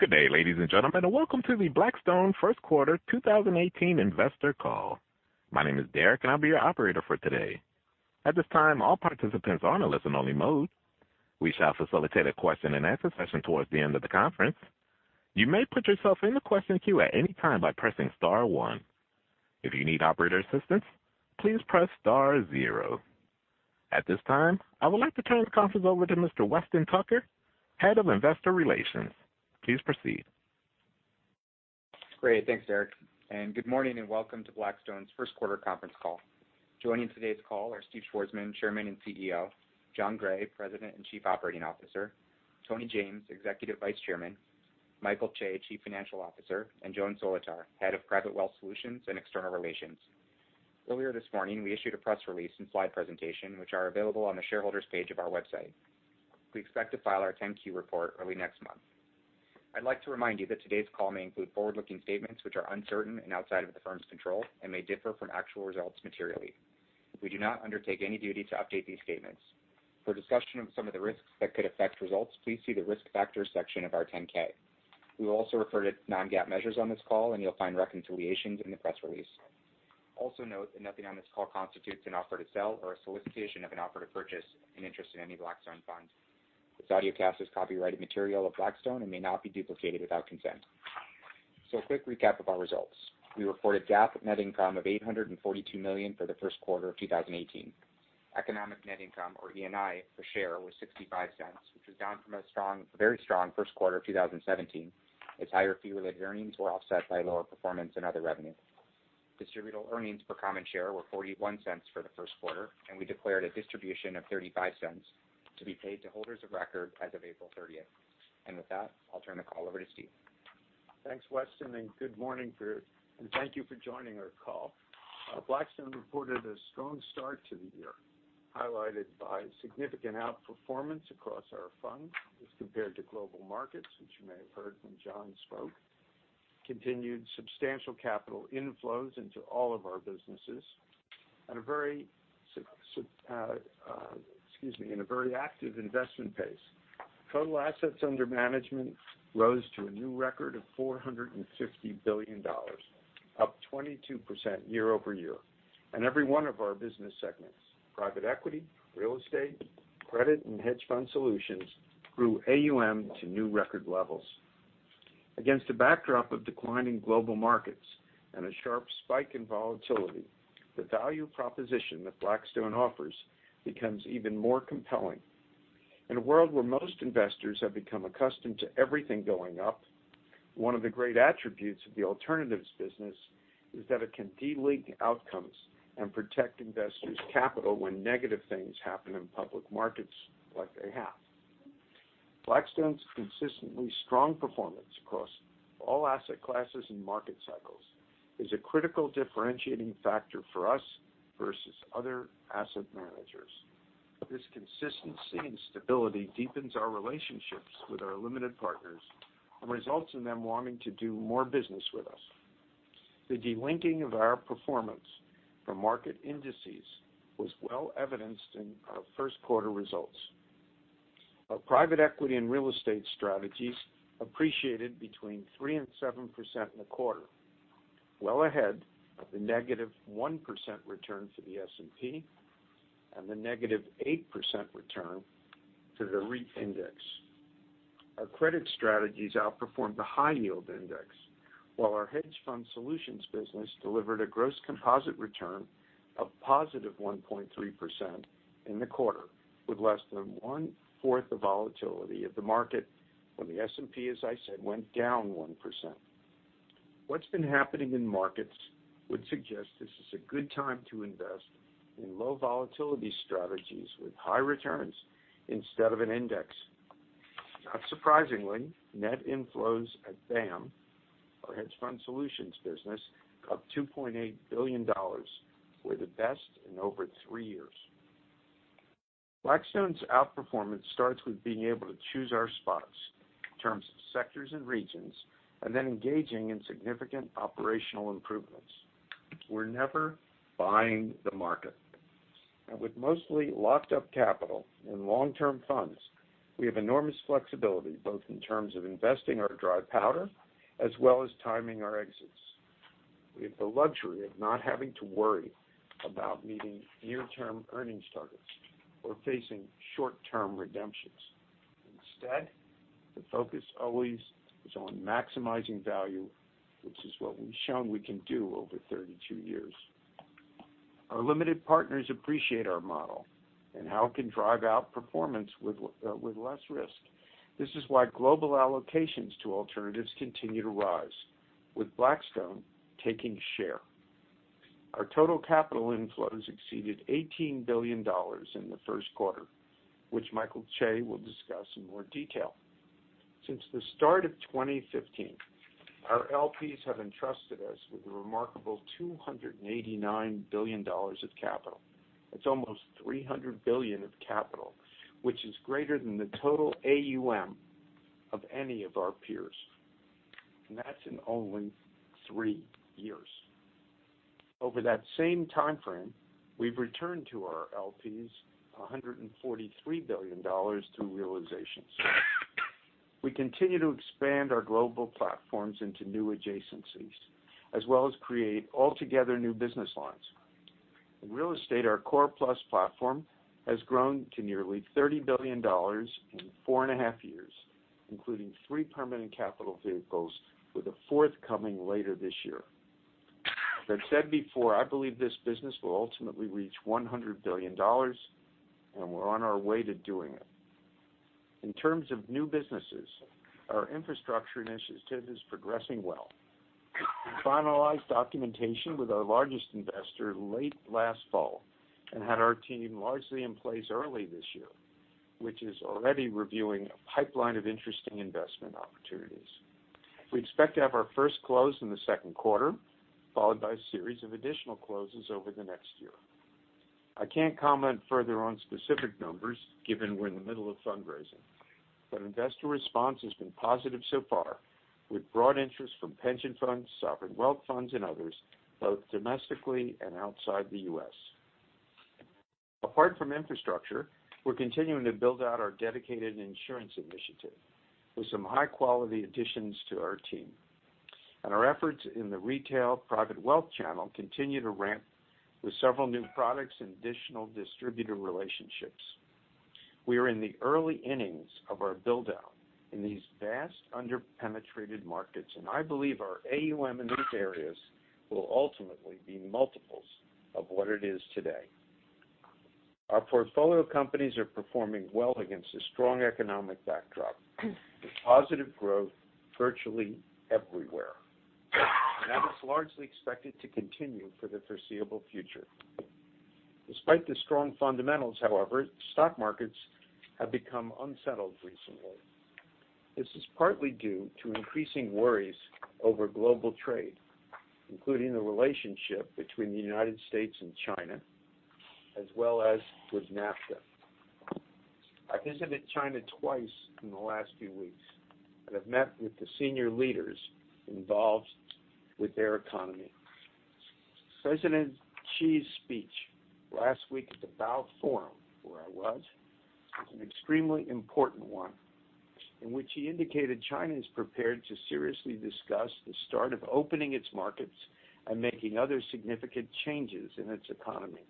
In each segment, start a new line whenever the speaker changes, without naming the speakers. Good day, ladies and gentlemen, and welcome to the Blackstone First Quarter 2018 Investor Call. My name is Derek, and I will be your operator for today. At this time, all participants are in a listen only mode. We shall facilitate a question and answer session towards the end of the conference. You may put yourself in the question queue at any time by pressing star one. If you need operator assistance, please press star zero. At this time, I would like to turn the conference over to Mr. Weston Tucker, Head of Investor Relations. Please proceed.
Great. Thanks, Derek, and good morning, and welcome to Blackstone's first quarter conference call. Joining today's call are Stephen A. Schwarzman, Chairman and CEO, Jon Gray, President and Chief Operating Officer, Tony James, Executive Vice Chairman, Michael Chae, Chief Financial Officer, and Joan Solotar, Head of Private Wealth Solutions and External Relations. Earlier this morning, we issued a press release and slide presentation, which are available on the shareholders page of our website. We expect to file our 10Q report early next month. I'd like to remind you that today's call may include forward-looking statements which are uncertain and outside of the firm's control and may differ from actual results materially. We do not undertake any duty to update these statements. For discussion of some of the risks that could affect results, please see the Risk Factors section of our 10K. We will also refer to non-GAAP measures on this call, and you will find reconciliations in the press release. Also note that nothing on this call constitutes an offer to sell or a solicitation of an offer to purchase an interest in any Blackstone fund. This audiocast is copyrighted material of Blackstone and may not be duplicated without consent. A quick recap of our results. We reported GAAP net income of $842 million for the first quarter of 2018. Economic net income, or ENI, per share was $0.65, which was down from a very strong first quarter of 2017, as higher fee related earnings were offset by lower performance in other revenue. Distributable earnings per common share were $0.41 for the first quarter, and we declared a distribution of $0.35 to be paid to holders of record as of April 30th. With that, I will turn the call over to Steve.
Thanks, Weston, and good morning. Thank you for joining our call. Blackstone reported a strong start to the year, highlighted by significant outperformance across our funds as compared to global markets, which you may have heard when Jon spoke. Continued substantial capital inflows into all of our businesses, excuse me, in a very active investment pace. Total assets under management rose to a new record of $450 billion, up 22% year-over-year. Every one of our business segments, private equity, real estate, credit, and hedge fund solutions grew AUM to new record levels. Against a backdrop of declining global markets and a sharp spike in volatility, the value proposition that Blackstone offers becomes even more compelling. In a world where most investors have become accustomed to everything going up, one of the great attributes of the alternatives business is that it can de-link outcomes and protect investors' capital when negative things happen in public markets, like they have. Blackstone's consistently strong performance across all asset classes and market cycles is a critical differentiating factor for us versus other asset managers. This consistency and stability deepens our relationships with our limited partners and results in them wanting to do more business with us. The de-linking of our performance from market indices was well evidenced in our first quarter results. Our private equity and real estate strategies appreciated between 3% and 7% in the quarter, well ahead of the negative 1% return for the S&P and the negative 8% return to the REIT index. Our credit strategies outperformed the high yield index, while our hedge fund solutions business delivered a gross composite return of positive 1.3% in the quarter, with less than one-fourth the volatility of the market when the S&P, as I said, went down 1%. What's been happening in markets would suggest this is a good time to invest in low volatility strategies with high returns instead of an index. Not surprisingly, net inflows at BAAM, our hedge fund solutions business, up $2.8 billion were the best in over three years. Blackstone's outperformance starts with being able to choose our spots in terms of sectors and regions, then engaging in significant operational improvements. We're never buying the market. With mostly locked up capital and long-term funds, we have enormous flexibility, both in terms of investing our dry powder as well as timing our exits. We have the luxury of not having to worry about meeting near-term earnings targets or facing short-term redemptions. Instead, the focus always is on maximizing value, which is what we've shown we can do over 32 years. Our limited partners appreciate our model and how it can drive outperformance with less risk. This is why global allocations to alternatives continue to rise, with Blackstone taking share. Our total capital inflows exceeded $18 billion in the first quarter, which Michael Chae will discuss in more detail. Since the start of 2015, our LPs have entrusted us with the remarkable $289 billion of capital. That's almost $300 billion of capital, which is greater than the total AUM of any of our peers, and that's in only three years. Over that same time frame, we've returned to our LPs $143 billion through realizations. We continue to expand our global platforms into new adjacencies, as well as create altogether new business lines. In real estate, our Core+ platform has grown to nearly $30 billion in four and a half years, including three permanent capital vehicles with a forthcoming later this year. As I've said before, I believe this business will ultimately reach $100 billion, and we're on our way to doing it. In terms of new businesses, our infrastructure initiative is progressing well. We finalized documentation with our largest investor late last fall and had our team largely in place early this year, which is already reviewing a pipeline of interesting investment opportunities. We expect to have our first close in the second quarter, followed by a series of additional closes over the next year. I can't comment further on specific numbers given we're in the middle of fundraising, but investor response has been positive so far, with broad interest from pension funds, sovereign wealth funds, and others, both domestically and outside the U.S. Apart from infrastructure, we're continuing to build out our dedicated insurance initiative with some high-quality additions to our team. Our efforts in the retail private wealth channel continue to ramp with several new products and additional distributor relationships. We are in the early innings of our build-out in these vast under-penetrated markets, and I believe our AUM in these areas will ultimately be multiples of what it is today. Our portfolio companies are performing well against a strong economic backdrop with positive growth virtually everywhere. That is largely expected to continue for the foreseeable future. Despite the strong fundamentals, however, stock markets have become unsettled recently. This is partly due to increasing worries over global trade, including the relationship between the United States and China, as well as with NAFTA. I visited China twice in the last few weeks and have met with the senior leaders involved with their economy. President Xi's speech last week at the Boao Forum, where I was an extremely important one, in which he indicated China is prepared to seriously discuss the start of opening its markets and making other significant changes in its economy.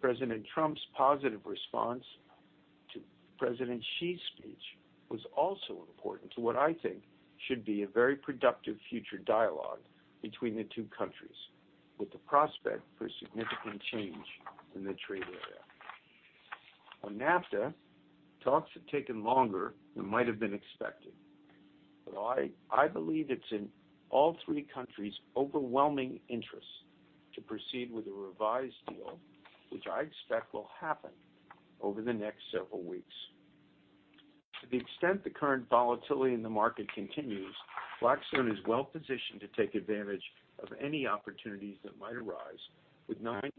President Trump's positive response to President Xi's speech was also important to what I think should be a very productive future dialogue between the two countries with the prospect for significant change in the trade area. On NAFTA, talks have taken longer than might have been expected, but I believe it's in all three countries' overwhelming interest to proceed with a revised deal, which I expect will happen over the next several weeks. To the extent the current volatility in the market continues, Blackstone is well-positioned to take advantage of any opportunities that might arise with $93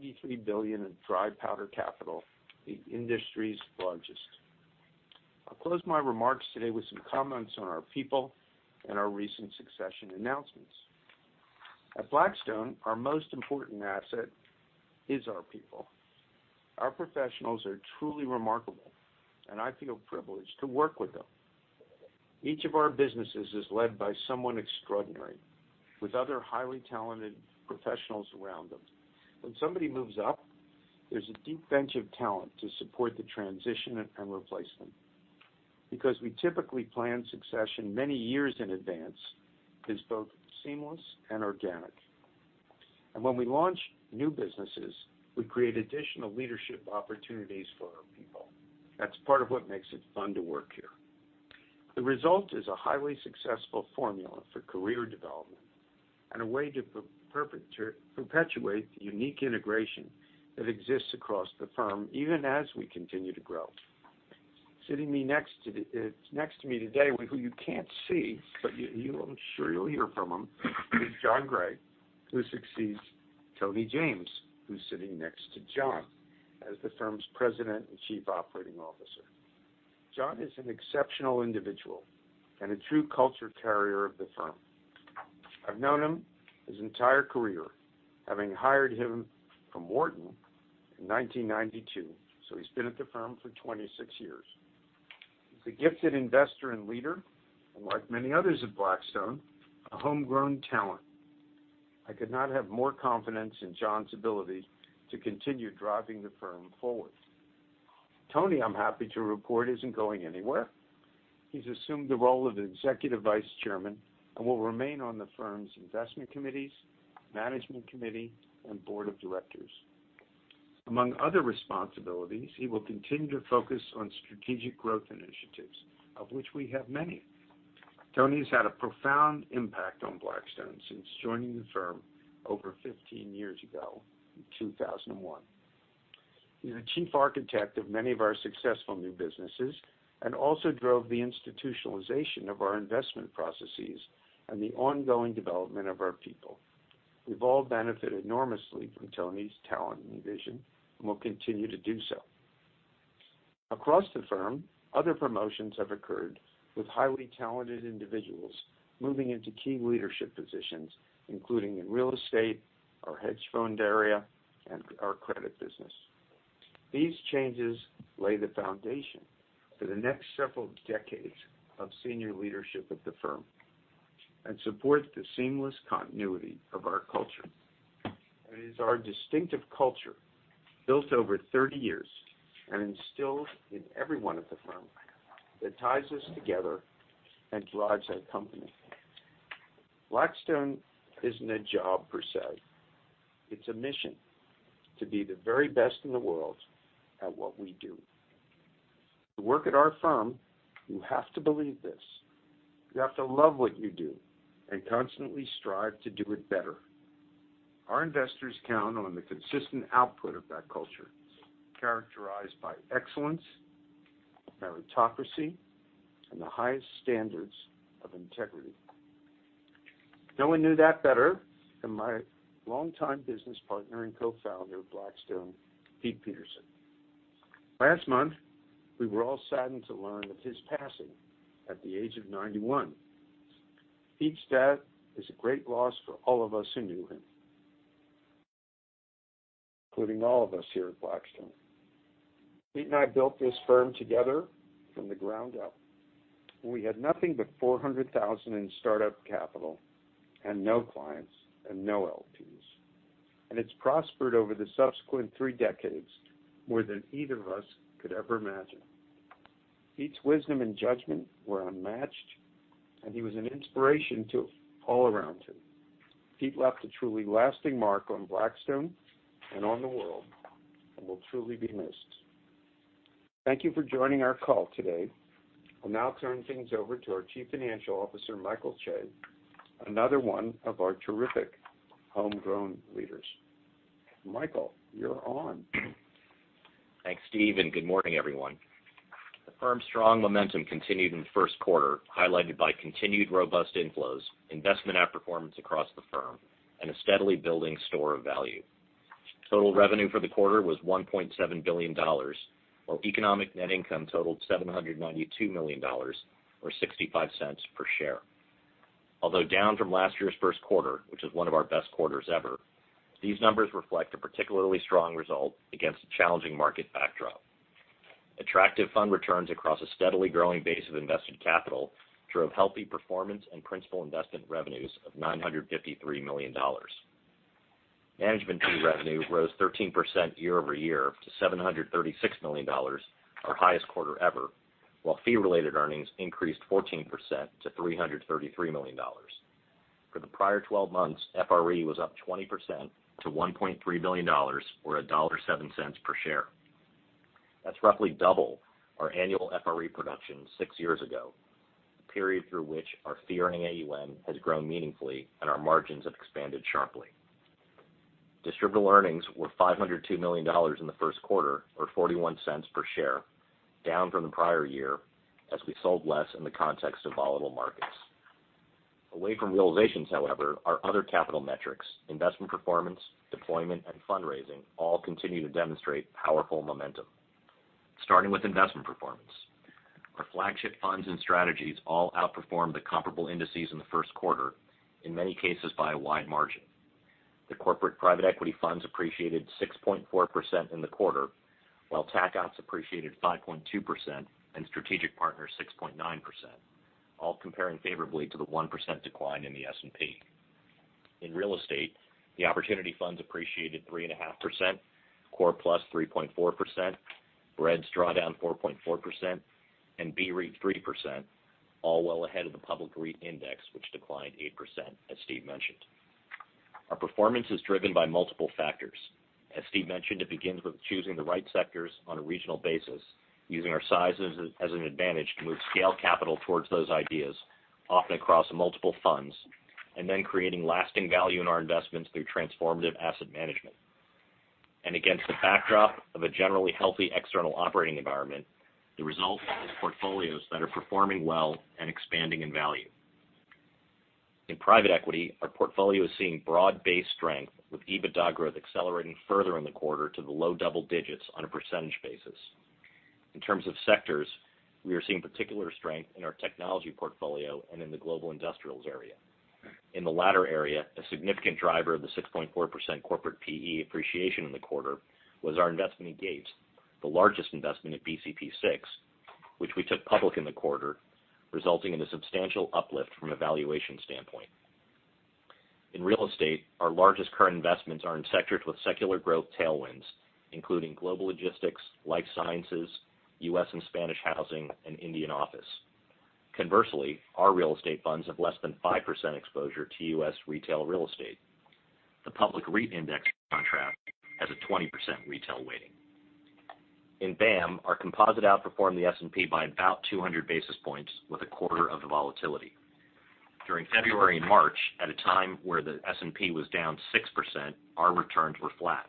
billion in dry powder capital, the industry's largest. I'll close my remarks today with some comments on our people and our recent succession announcements. At Blackstone, our most important asset is our people. Our professionals are truly remarkable, and I feel privileged to work with them. Each of our businesses is led by someone extraordinary with other highly talented professionals around them. When somebody moves up, there's a deep bench of talent to support the transition and replacement. Because we typically plan succession many years in advance, it's both seamless and organic. When we launch new businesses, we create additional leadership opportunities for our people. That's part of what makes it fun to work here. The result is a highly successful formula for career development and a way to perpetuate the unique integration that exists across the firm, even as we continue to grow. Sitting next to me today, who you can't see, but I'm sure you'll hear from him, is Jon Gray, who succeeds Tony James, who's sitting next to Jon as the firm's President and Chief Operating Officer. Jon is an exceptional individual and a true culture carrier of the firm. I've known him his entire career, having hired him from Wharton in 1992, so he's been at the firm for 26 years. He's a gifted investor and leader, and like many others at Blackstone, a homegrown talent. I could not have more confidence in Jon's ability to continue driving the firm forward. Tony, I'm happy to report, isn't going anywhere. He's assumed the role of Executive Vice Chairman and will remain on the firm's investment committees, management committee, and board of directors. Among other responsibilities, he will continue to focus on strategic growth initiatives, of which we have many. Tony's had a profound impact on Blackstone since joining the firm over 15 years ago in 2001. He's a chief architect of many of our successful new businesses and also drove the institutionalization of our investment processes and the ongoing development of our people. We've all benefited enormously from Tony's talent and vision and will continue to do so. Across the firm, other promotions have occurred with highly talented individuals moving into key leadership positions, including in real estate, our hedge fund area, and our credit business. These changes lay the foundation for the next several decades of senior leadership of the firm and support the seamless continuity of our culture. It is our distinctive culture, built over 30 years and instilled in every one of the firm, that ties us together and drives our company. Blackstone isn't a job per se. It's a mission to be the very best in the world at what we do. To work at our firm, you have to believe this. You have to love what you do and constantly strive to do it better. Our investors count on the consistent output of that culture, characterized by excellence, meritocracy, and the highest standards of integrity. No one knew that better than my longtime business partner and co-founder of Blackstone, Pete Peterson. Last month, we were all saddened to learn of his passing at the age of 91. Pete's death is a great loss for all of us who knew him, including all of us here at Blackstone. Pete and I built this firm together from the ground up. We had nothing but $400,000 in startup capital and no clients and no LPs, and it's prospered over the subsequent three decades more than either of us could ever imagine. Pete's wisdom and judgment were unmatched, and he was an inspiration to all around him. Pete left a truly lasting mark on Blackstone and on the world, and will truly be missed. Thank you for joining our call today. I'll now turn things over to our Chief Financial Officer, Michael Chae, another one of our terrific homegrown leaders. Michael, you're on.
Thanks, Steve, and good morning, everyone. The firm's strong momentum continued in the first quarter, highlighted by continued robust inflows, investment outperformance across the firm, and a steadily building store of value. Total revenue for the quarter was $1.7 billion, while economic net income totaled $792 million, or $0.65 per share. Although down from last year's first quarter, which was one of our best quarters ever, these numbers reflect a particularly strong result against a challenging market backdrop. Attractive fund returns across a steadily growing base of invested capital drove healthy performance and principal investment revenues of $953 million. Management fee revenue rose 13% year-over-year to $736 million, our highest quarter ever, while fee-related earnings increased 14% to $333 million. For the prior 12 months, FRE was up 20% to $1.3 billion, or $1.07 per share. That's roughly double our annual FRE production six years ago, the period through which our fee earning AUM has grown meaningfully and our margins have expanded sharply. Distributed earnings were $502 million in the first quarter, or $0.41 per share, down from the prior year as we sold less in the context of volatile markets. Away from realizations, however, our other capital metrics, investment performance, deployment, and fundraising all continue to demonstrate powerful momentum. Starting with investment performance. Our flagship funds and strategies all outperformed the comparable indices in the first quarter, in many cases by a wide margin. The corporate private equity funds appreciated 6.4% in the quarter, while Tac Opps appreciated 5.2% and Strategic Partners 6.9%, all comparing favorably to the 1% decline in the S&P. In real estate, the opportunity funds appreciated 3.5%, Core+ 3.4%, BREDS drawdown 4.4%, and BREIT 3%, all well ahead of the public REIT index, which declined 8%, as Steve mentioned. Our performance is driven by multiple factors. As Steve mentioned, it begins with choosing the right sectors on a regional basis, using our size as an advantage to move scaled capital towards those ideas, often across multiple funds, and then creating lasting value in our investments through transformative asset management. Against the backdrop of a generally healthy external operating environment, the result is portfolios that are performing well and expanding in value. In private equity, our portfolio is seeing broad-based strength with EBITDA growth accelerating further in the quarter to the low double digits on a percentage basis. In terms of sectors, we are seeing particular strength in our technology portfolio and in the global industrials area. In the latter area, a significant driver of the 6.4% corporate PE appreciation in the quarter was our investment in Gates, the largest investment at BCP6, which we took public in the quarter, resulting in a substantial uplift from a valuation standpoint. In real estate, our largest current investments are in sectors with secular growth tailwinds, including global logistics, life sciences, U.S. and Spanish housing, and Indian office. Conversely, our real estate funds have less than 5% exposure to U.S. retail real estate. The public REIT index, on track, has a 20% retail weighting. In BAAM, our composite outperformed the S&P by about 200 basis points with a quarter of the volatility. During February and March, at a time where the S&P was down 6%, our returns were flat.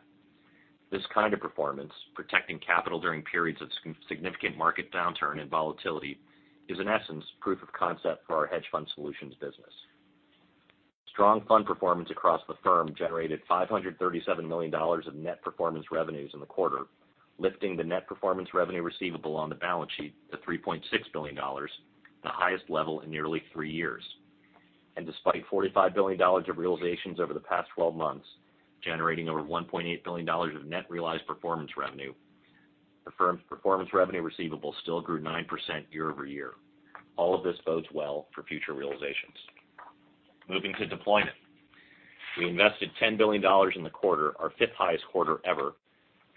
This kind of performance, protecting capital during periods of significant market downturn and volatility, is in essence proof of concept for our hedge fund solutions business. Strong fund performance across the firm generated $537 million of net performance revenues in the quarter, lifting the net performance revenue receivable on the balance sheet to $3.6 billion, the highest level in nearly three years. Despite $45 billion of realizations over the past 12 months, generating over $1.8 billion of net realized performance revenue, the firm's performance revenue receivable still grew 9% year-over-year. All of this bodes well for future realizations. Moving to deployment. We invested $10 billion in the quarter, our fifth highest quarter ever,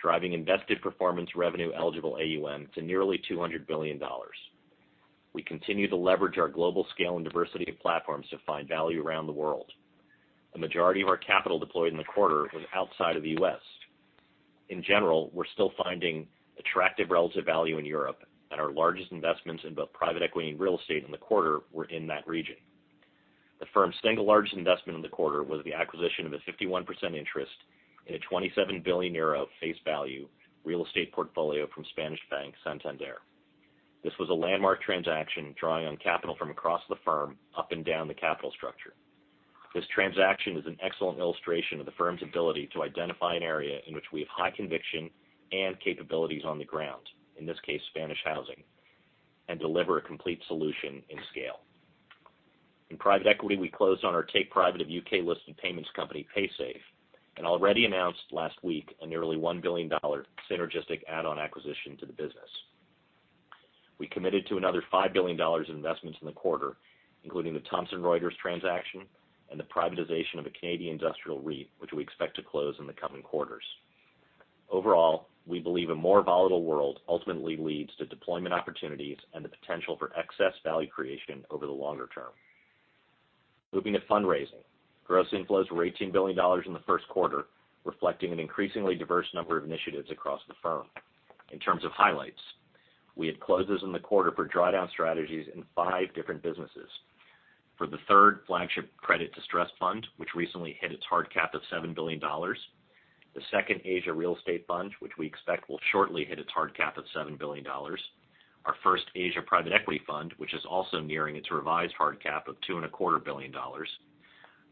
driving invested performance revenue eligible AUM to nearly $200 billion. We continue to leverage our global scale and diversity of platforms to find value around the world. The majority of our capital deployed in the quarter was outside of the U.S. In general, we're still finding attractive relative value in Europe, our largest investments in both private equity and real estate in the quarter were in that region. The firm's single largest investment in the quarter was the acquisition of a 51% interest in a €27 billion face value real estate portfolio from Spanish bank, Santander. This was a landmark transaction, drawing on capital from across the firm, up and down the capital structure. This transaction is an excellent illustration of the firm's ability to identify an area in which we have high conviction and capabilities on the ground, in this case, Spanish housing, and deliver a complete solution in scale. In private equity, we closed on our take private of U.K. listed payments company, Paysafe, already announced last week a nearly $1 billion synergistic add-on acquisition to the business. We committed to another $5 billion in investments in the quarter, including the Thomson Reuters transaction and the privatization of a Canadian industrial REIT, which we expect to close in the coming quarters. Overall, we believe a more volatile world ultimately leads to deployment opportunities and the potential for excess value creation over the longer term. Moving to fundraising. Gross inflows were $18 billion in the first quarter, reflecting an increasingly diverse number of initiatives across the firm. In terms of highlights, we had closes in the quarter for drawdown strategies in five different businesses. For the third flagship credit distress fund, which recently hit its hard cap of $7 billion, the second Asia real estate fund, which we expect will shortly hit its hard cap of $7 billion. Our first Asia private equity fund, which is also nearing its revised hard cap of $2.25 billion,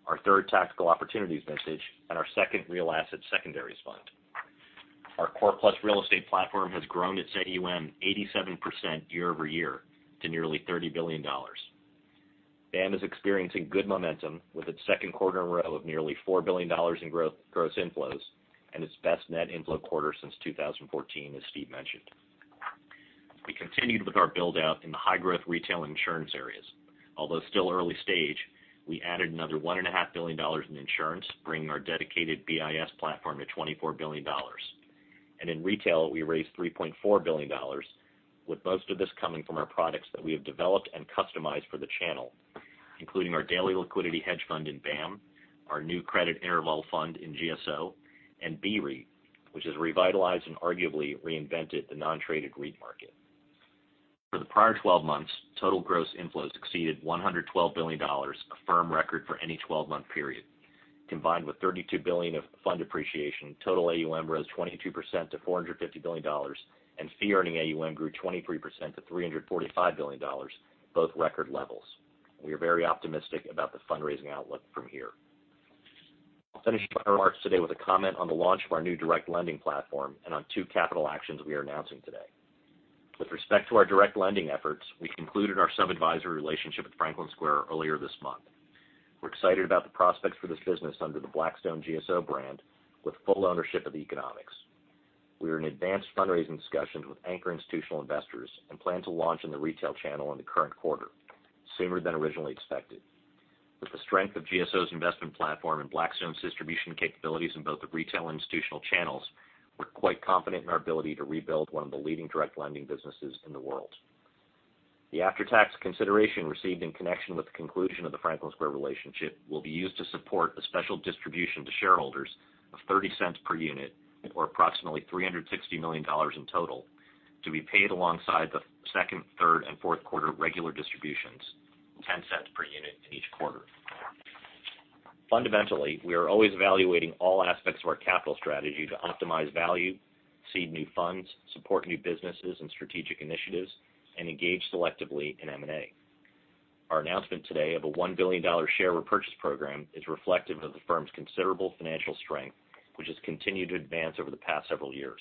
our third Tactical Opportunities vintage, and our second real asset secondaries fund. Our Core+ real estate platform has grown its AUM 87% year-over-year to nearly $30 billion. BAAM is experiencing good momentum with its second quarter in a row of nearly $4 billion in gross inflows and its best net inflow quarter since 2014, as Steve mentioned. We continued with our build-out in the high growth retail insurance areas. Although still early stage, we added another $1.5 billion in insurance, bringing our dedicated BIS platform to $24 billion. In retail, we raised $3.4 billion, with most of this coming from our products that we have developed and customized for the channel, including our daily liquidity hedge fund in BAAM, our new credit interval fund in GSO, and BREIT, which has revitalized and arguably reinvented the non-traded REIT market. For the prior 12 months, total gross inflows exceeded $112 billion, a firm record for any 12-month period. Combined with $32 billion of fund appreciation, total AUM rose 22% to $450 billion, and fee earning AUM grew 23% to $345 billion, both record levels. We are very optimistic about the fundraising outlook from here. I'll finish my remarks today with a comment on the launch of our new direct lending platform and on two capital actions we are announcing today. With respect to our direct lending efforts, we concluded our sub-advisory relationship with Franklin Square earlier this month. We're excited about the prospects for this business under the Blackstone GSO brand with full ownership of the economics. We are in advanced fundraising discussions with anchor institutional investors and plan to launch in the retail channel in the current quarter, sooner than originally expected. With the strength of GSO's investment platform and Blackstone's distribution capabilities in both the retail and institutional channels, we're quite confident in our ability to rebuild one of the leading direct lending businesses in the world. The after-tax consideration received in connection with the conclusion of the Franklin Square relationship will be used to support a special distribution to shareholders of $0.30 per unit or approximately $360 million in total, to be paid alongside the second, third, and fourth quarter regular distributions, $0.10 per unit in each quarter. Fundamentally, we are always evaluating all aspects of our capital strategy to optimize value, seed new funds, support new businesses and strategic initiatives, and engage selectively in M&A. Our announcement today of a $1 billion share repurchase program is reflective of the firm's considerable financial strength, which has continued to advance over the past several years.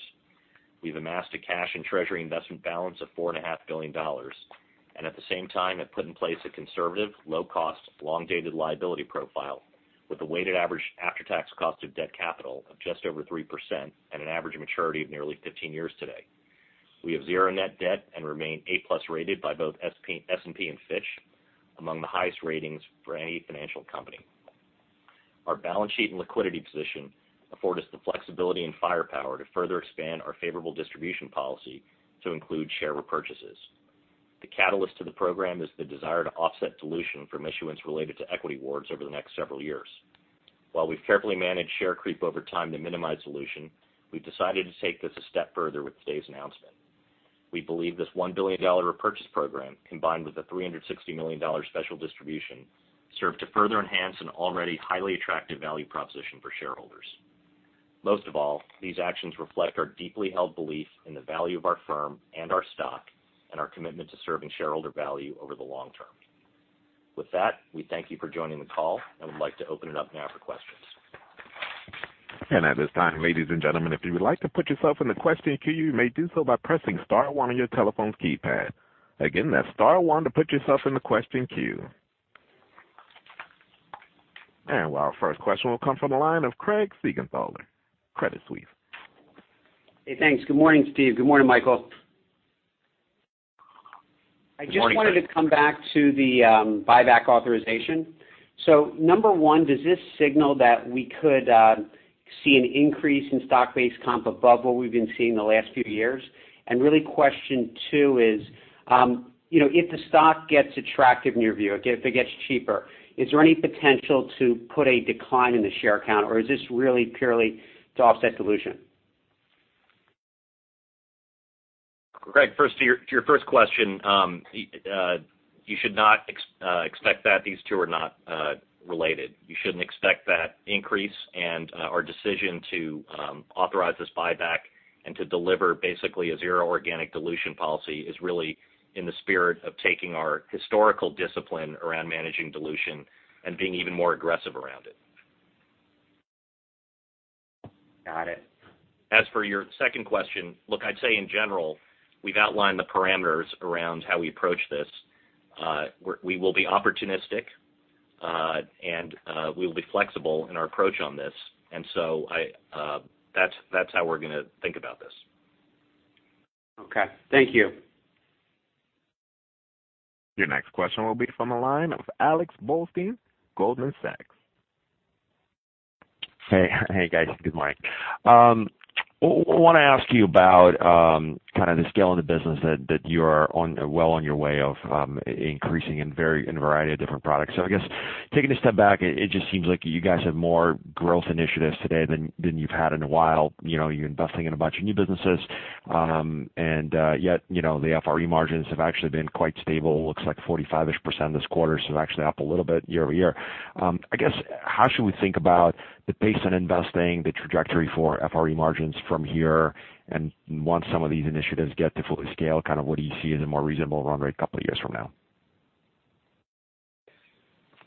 We've amassed a cash and treasury investment balance of $4.5 billion, at the same time have put in place a conservative, low cost, long dated liability profile with a weighted average after-tax cost of debt capital of just over 3% and an average maturity of nearly 15 years today. We have zero net debt and remain A+ rated by both S&P and Fitch, among the highest ratings for any financial company. Our balance sheet and liquidity position afford us the flexibility and firepower to further expand our favorable distribution policy to include share repurchases. The catalyst to the program is the desire to offset dilution from issuance related to equity awards over the next several years. While we've carefully managed share creep over time to minimize dilution, we've decided to take this a step further with today's announcement. We believe this $1 billion repurchase program, combined with the $360 million special distribution, serve to further enhance an already highly attractive value proposition for shareholders. Most of all, these actions reflect our deeply held belief in the value of our firm and our stock, and our commitment to serving shareholder value over the long term. With that, we thank you for joining the call, and would like to open it up now for questions.
At this time, ladies and gentlemen, if you would like to put yourself in the question queue, you may do so by pressing star one on your telephone keypad. Again, that's star one to put yourself in the question queue. Our first question will come from the line of Craig Siegenthaler, Credit Suisse.
Hey, thanks. Good morning, Steve. Good morning, Michael.
Good morning, Craig.
I just wanted to come back to the buyback authorization. Number 1, does this signal that we could see an increase in stock-based comp above what we've been seeing the last few years? Really question 2 is, if the stock gets attractive in your view, if it gets cheaper, is there any potential to put a decline in the share count or is this really purely to offset dilution?
Craig, to your first question, you should not expect that. These two are not related. You shouldn't expect that increase. Our decision to authorize this buyback and to deliver basically a zero organic dilution policy is really in the spirit of taking our historical discipline around managing dilution and being even more aggressive around it.
Got it.
As for your second question, look, I'd say in general, we've outlined the parameters around how we approach this. We will be opportunistic, and we will be flexible in our approach on this. That's how we're going to think about this.
Okay. Thank you.
Your next question will be from the line of Alex Blostein, Goldman Sachs.
Hey, guys. Good morning. I want to ask you about kind of the scale of the business that you are well on your way of increasing in a variety of different products. I guess taking a step back, it just seems like you guys have more growth initiatives today than you've had in a while. You're investing in a bunch of new businesses.
Yeah.
Yet the FRE margins have actually been quite stable. Looks like 45-ish% this quarter, actually up a little bit year-over-year. I guess, how should we think about the pace on investing, the trajectory for FRE margins from here? Once some of these initiatives get to fully scale, kind of what do you see as a more reasonable run rate a couple of years from now?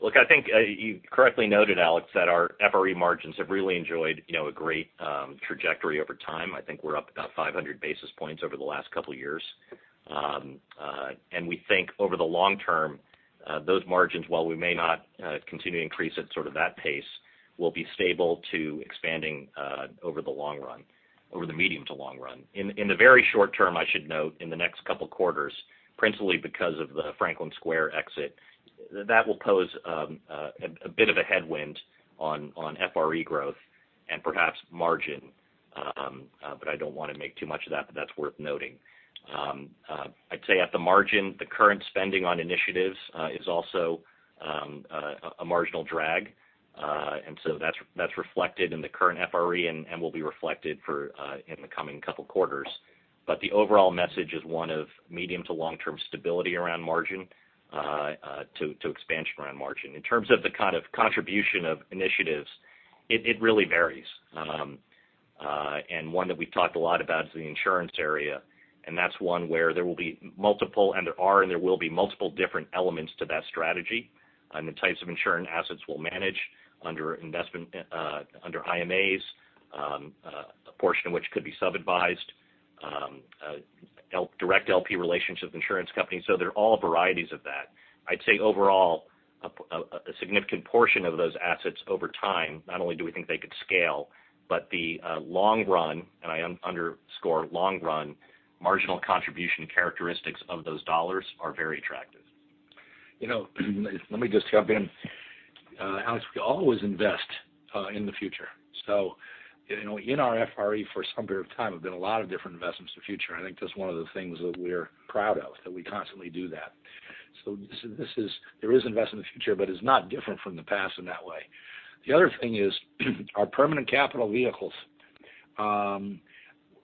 Look, I think you correctly noted, Alex Blostein, that our FRE margins have really enjoyed a great trajectory over time. I think we're up about 500 basis points over the last couple of years. We think over the long term, those margins, while we may not continue to increase at sort of that pace, will be stable to expanding over the long run, over the medium to long run. In the very short term, I should note, in the next couple of quarters, principally because of the Franklin Square exit, that will pose a bit of a headwind on FRE growth and perhaps margin. I don't want to make too much of that, but that's worth noting. I'd say at the margin, the current spending on initiatives is also a marginal drag. That's reflected in the current FRE and will be reflected in the coming couple quarters. The overall message is one of medium to long-term stability around margin, to expansion around margin. In terms of the kind of contribution of initiatives, it really varies. One that we've talked a lot about is the insurance area, and that's one where there will be multiple, and there are, and there will be multiple different elements to that strategy. The types of insurance assets we'll manage under IMAs, a portion of which could be sub-advised, direct LP relationships, insurance companies. They're all varieties of that. I'd say overall, a significant portion of those assets over time, not only do we think they could scale, but the long run, and I underscore long run, marginal contribution characteristics of those dollars are very attractive.
Let me just jump in. Alex, we always invest in the future. In our FRE, for some period of time, have been a lot of different investments in the future, and I think that's one of the things that we're proud of, that we constantly do that. There is investment in the future, but it's not different from the past in that way. The other thing is our permanent capital vehicles,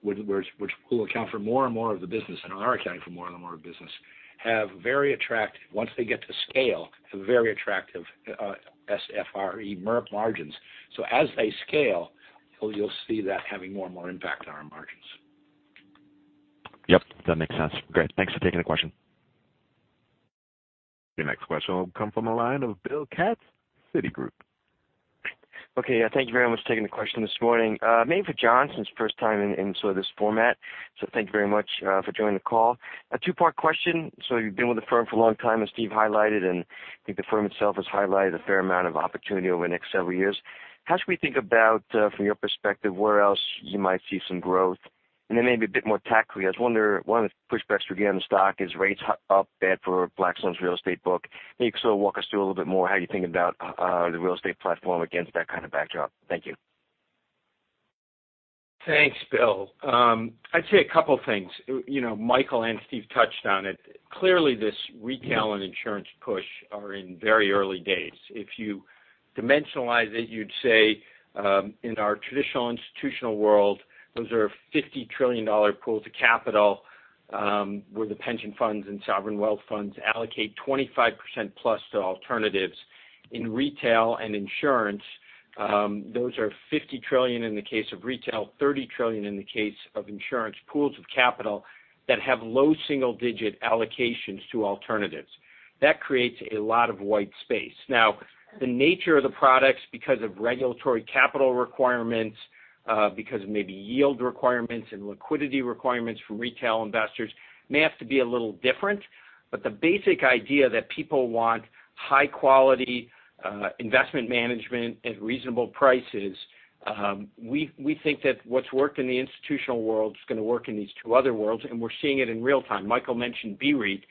which will account for more and more of the business and are accounting for more and more of the business, have very attractive, once they get to scale, very attractive FRE margins. As they scale, you'll see that having more and more impact on our margins.
Yep, that makes sense. Great. Thanks for taking the question.
Your next question will come from the line of Bill Katz, Citigroup.
Okay. Thank you very much for taking the question this morning. Maybe for Jon, since first time in sort of this format. Thank you very much for joining the call. A two-part question. You've been with the firm for a long time, as Steve highlighted, and I think the firm itself has highlighted a fair amount of opportunity over the next several years. How should we think about, from your perspective, where else you might see some growth? And then maybe a bit more tactically, I was wondering, one of the pushbacks we get on the stock is rates up bad for Blackstone's real estate book. Maybe you could sort of walk us through a little bit more how you think about the real estate platform against that kind of backdrop. Thank you.
Thanks, Bill. I'd say a couple things. Michael and Steve touched on it. Clearly this retail and insurance push are in very early days. If you dimensionalize it, you'd say, in our traditional institutional world, those are $50 trillion pools of capital
Where the pension funds and sovereign wealth funds allocate 25%-plus to alternatives. In retail and insurance, those are $50 trillion in the case of retail, $30 trillion in the case of insurance pools of capital that have low single-digit allocations to alternatives. That creates a lot of white space. Now, the nature of the products, because of regulatory capital requirements, because of maybe yield requirements and liquidity requirements for retail investors, may have to be a little different. The basic idea that people want high-quality investment management at reasonable prices, we think that what's worked in the institutional world is going to work in these two other worlds, and we're seeing it in real time. Michael mentioned BREIT.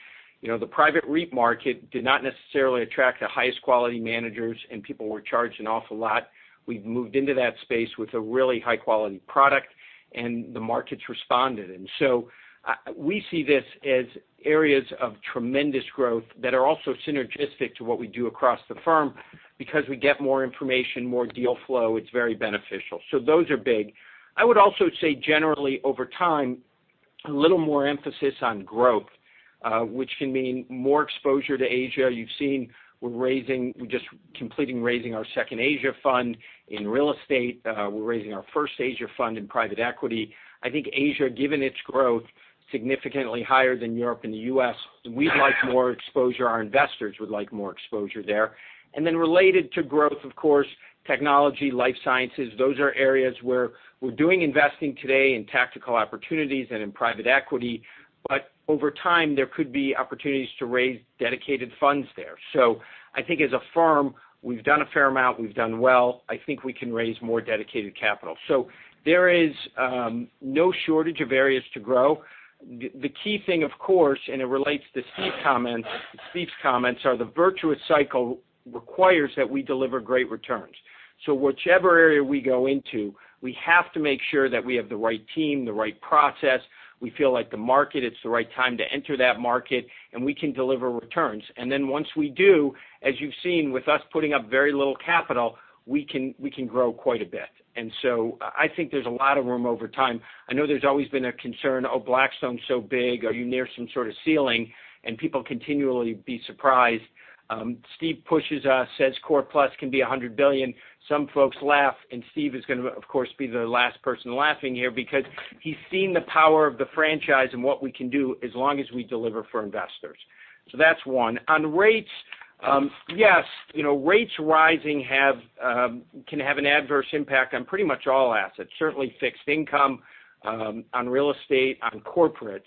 The private REIT market did not necessarily attract the highest quality managers, and people were charged an awful lot. We've moved into that space with a really high-quality product, and the market's responded. We see this as areas of tremendous growth that are also synergistic to what we do across the firm because we get more information, more deal flow. It's very beneficial. Those are big. I would also say generally over time, a little more emphasis on growth, which can mean more exposure to Asia. You've seen we're just completing raising our second Asia fund in real estate. We're raising our first Asia fund in private equity. I think Asia, given its growth, significantly higher than Europe and the U.S., we'd like more exposure. Our investors would like more exposure there. Related to growth, of course, technology, life sciences, those are areas where we're doing investing today in Tactical Opportunities and in private equity. Over time, there could be opportunities to raise dedicated funds there. I think as a firm, we've done a fair amount. We've done well. I think we can raise more dedicated capital. There is no shortage of areas to grow. The key thing, of course, and it relates to Steve's comments, are the virtuous cycle requires that we deliver great returns. Whichever area we go into, we have to make sure that we have the right team, the right process. We feel like the market, it's the right time to enter that market, and we can deliver returns. Once we do, as you've seen with us putting up very little capital, we can grow quite a bit. I think there's a lot of room over time. I know there's always been a concern, "Oh, Blackstone's so big. Are you near some sort of ceiling?" People continually be surprised. Steve pushes us, says Core+ can be $100 billion. Some folks laugh, and Steve is going to, of course, be the last person laughing here because he's seen the power of the franchise and what we can do as long as we deliver for investors. That's one. On rates, yes, rates rising can have an adverse impact on pretty much all assets, certainly fixed income, on real estate, on corporates.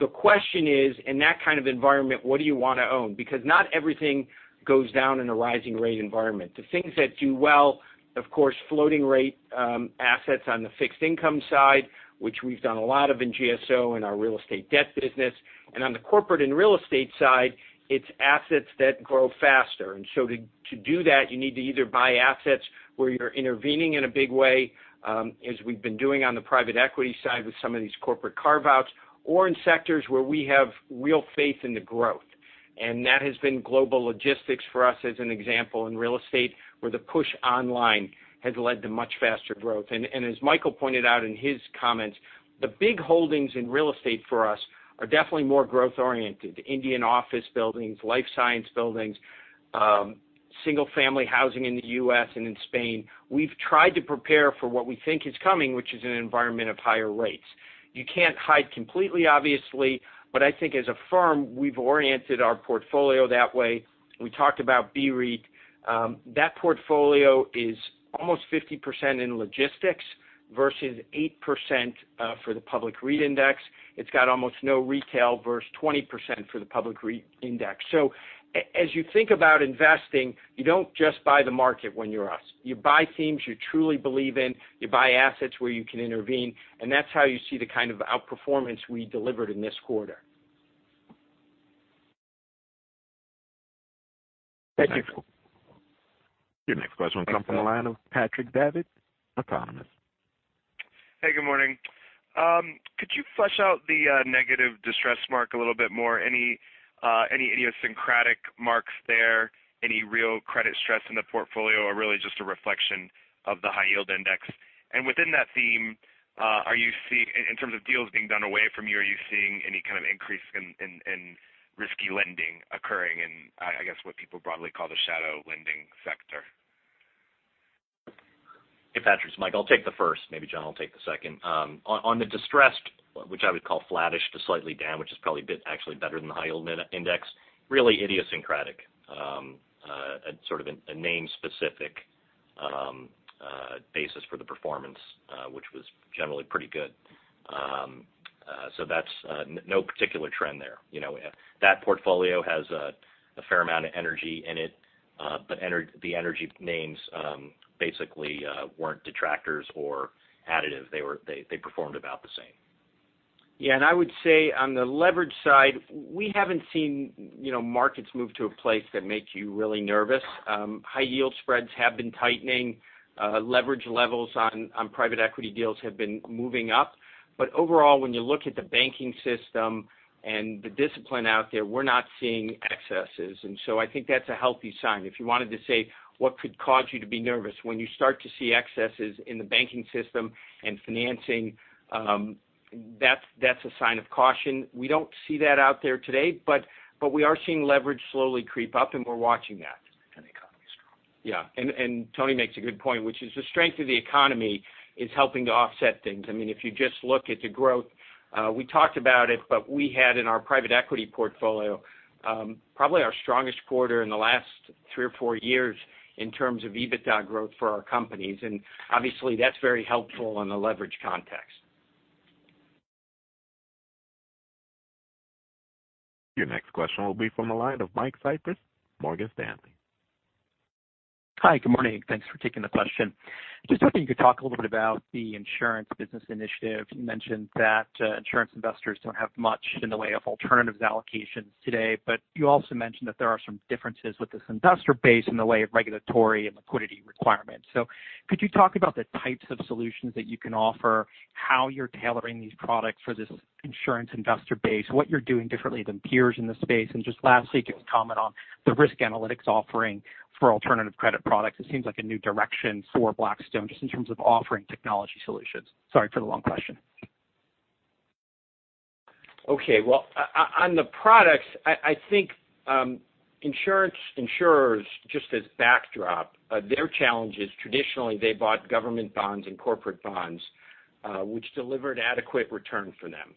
The question is, in that kind of environment, what do you want to own? Because not everything goes down in a rising rate environment. The things that do well, of course, floating rate assets on the fixed income side, which we've done a lot of in GSO in our real estate debt business. On the corporate and real estate side, it's assets that grow faster. To do that, you need to either buy assets where you're intervening in a big way, as we've been doing on the private equity side with some of these corporate carve-outs, or in sectors where we have real faith in the growth. That has been global logistics for us, as an example, in real estate, where the push online has led to much faster growth. As Michael pointed out in his comments, the big holdings in real estate for us are definitely more growth-oriented. Indian office buildings, life science buildings, single-family housing in the U.S. and in Spain. We've tried to prepare for what we think is coming, which is an environment of higher rates. You can't hide completely, obviously, but I think as a firm, we've oriented our portfolio that way. We talked about BREIT. That portfolio is almost 50% in logistics versus 8% for the public REIT index. It's got almost no retail versus 20% for the public REIT index. As you think about investing, you don't just buy the market when you're us. You buy themes you truly believe in. You buy assets where you can intervene, and that's how you see the kind of outperformance we delivered in this quarter. Thank you.
Your next question will come from the line of Patrick Davitt, Autonomous.
Hey, good morning. Could you flesh out the negative distress mark a little bit more? Any idiosyncratic marks there, any real credit stress in the portfolio, or really just a reflection of the high yield index? Within that theme, in terms of deals being done away from you, are you seeing any kind of increase in risky lending occurring in, I guess, what people broadly call the shadow lending sector?
Hey, Patrick. It's Mike. I'll take the first. Maybe Jon will take the second. On the distressed, which I would call flattish to slightly down, which is probably a bit actually better than the high yield index, really idiosyncratic. Sort of a name-specific basis for the performance, which was generally pretty good. That's no particular trend there. That portfolio has a fair amount of energy in it, but the energy names basically weren't detractors or additive. They performed about the same.
I would say on the leverage side, we haven't seen markets move to a place that makes you really nervous. High yield spreads have been tightening. Leverage levels on private equity deals have been moving up. Overall, when you look at the banking system and the discipline out there, we're not seeing excesses, and so I think that's a healthy sign. If you wanted to say what could cause you to be nervous when you start to see excesses in the banking system and financing, that's a sign of caution. We don't see that out there today, but we are seeing leverage slowly creep up, and we're watching that. Yeah. Tony makes a good point, which is the strength of the economy is helping to offset things. If you just look at the growth, we talked about it, but we had in our private equity portfolio, probably our strongest quarter in the last three or four years in terms of EBITDA growth for our companies. Obviously, that's very helpful in the leverage context.
Your next question will be from the line of Michael Cyprys, Morgan Stanley.
Hi. Good morning. Thanks for taking the question. Just wondering if you could talk a little bit about the insurance business initiative. You mentioned that insurance investors don't have much in the way of alternatives allocations today, but you also mentioned that there are some differences with this investor base in the way of regulatory and liquidity requirements. Could you talk about the types of solutions that you can offer, how you're tailoring these products for this insurance investor base, what you're doing differently than peers in this space? Just lastly, could you comment on the risk analytics offering for alternative credit products? It seems like a new direction for Blackstone just in terms of offering technology solutions. Sorry for the long question.
Okay. Well, on the products, I think insurers, just as backdrop, their challenge is traditionally they bought government bonds and corporate bonds, which delivered adequate return for them.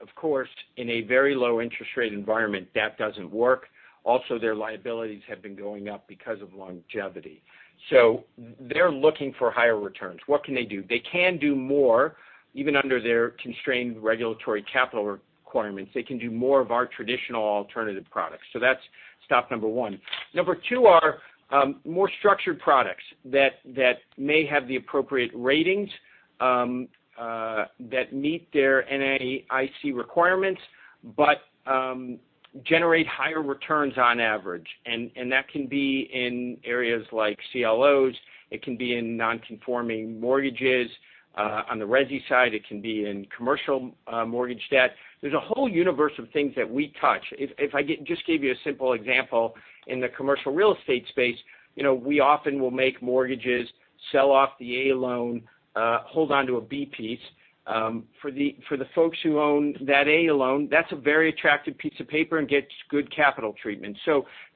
Of course, in a very low interest rate environment, that doesn't work. Also, their liabilities have been going up because of longevity. They're looking for higher returns. What can they do? They can do more, even under their constrained regulatory capital requirements. They can do more of our traditional alternative products. That's stop number one. Number two are more structured products that may have the appropriate ratings, that meet their NAIC requirements, but generate higher returns on average. That can be in areas like CLOs. It can be in non-conforming mortgages. On the resi side, it can be in commercial mortgage debt. There's a whole universe of things that we touch. If I just gave you a simple example, in the commercial real estate space, we often will make mortgages, sell off the A loan, hold onto a B piece. For the folks who own that A loan, that's a very attractive piece of paper and gets good capital treatment.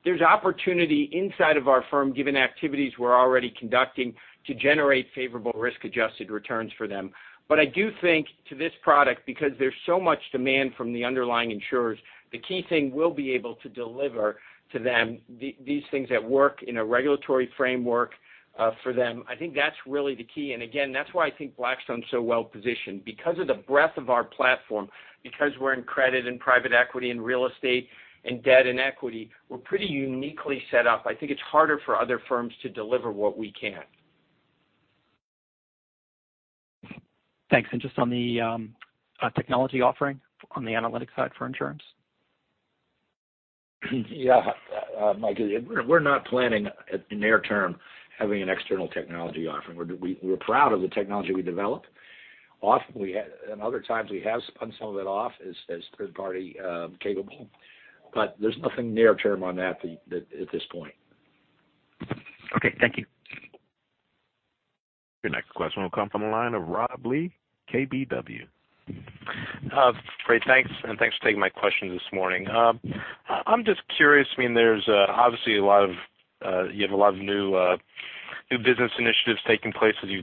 There's opportunity inside of our firm, given activities we're already conducting, to generate favorable risk-adjusted returns for them. I do think to this product, because there's so much demand from the underlying insurers, the key thing we'll be able to deliver to them, these things that work in a regulatory framework for them, I think that's really the key. Again, that's why I think Blackstone's so well-positioned. Because of the breadth of our platform, because we're in credit, and private equity, and real estate, and debt, and equity, we're pretty uniquely set up. I think it's harder for other firms to deliver what we can.
Thanks. Just on the technology offering on the analytics side for insurance.
Yeah. Mike, we're not planning in the near term having an external technology offering. We're proud of the technology we developed. Often, and other times we have spun some of it off as third-party capable, there's nothing near term on that at this point.
Okay. Thank you.
Your next question will come from the line of Rob Lee, KBW.
Great. Thanks, and thanks for taking my question this morning. I'm just curious, there's obviously you have a lot of new business initiatives taking place as you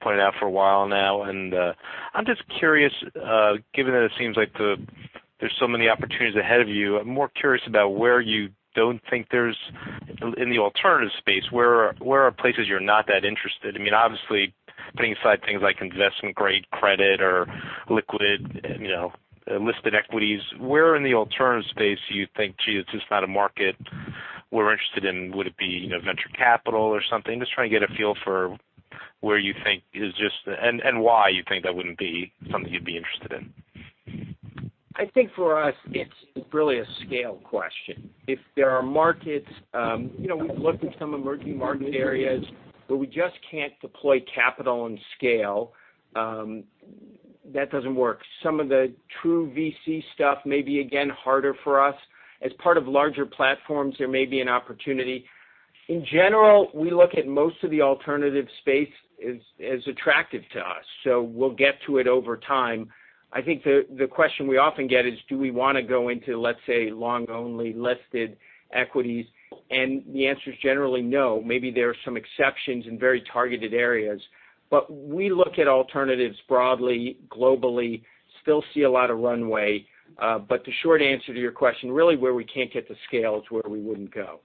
pointed out for a while now. I'm just curious, given that it seems like there's so many opportunities ahead of you, I'm more curious about where you don't think there's, in the alternative space, where are places you're not that interested? Obviously, putting aside things like investment-grade credit or liquid listed equities, where in the alternative space do you think, "Gee, it's just not a market we're interested in"? Would it be venture capital or something? Just trying to get a feel for where you think is just, and why you think that wouldn't be something you'd be interested in.
I think for us, it's really a scale question. If there are markets, we've looked at some emerging market areas, but we just can't deploy capital and scale. That doesn't work. Some of the true VC stuff may be, again, harder for us. As part of larger platforms, there may be an opportunity. In general, we look at most of the alternative space as attractive to us. We'll get to it over time. I think the question we often get is, do we want to go into, let's say, long-only listed equities? The answer is generally no. Maybe there are some exceptions in very targeted areas. We look at alternatives broadly, globally, still see a lot of runway. The short answer to your question, really where we can't get the scale is where we wouldn't go.